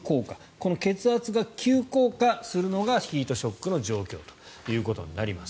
この血圧が急降下するのがヒートショックの状況となります。